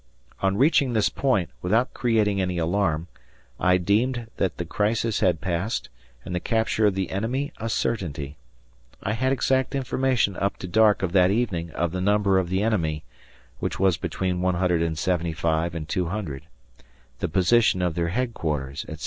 On reaching this point, without creating any alarm, I deemed that the crisis had passed, and the capture of the enemy a certainty. I had exact information up to dark of that evening of the number of the enemy (which was between 175 and 200), the position of their headquarters, etc.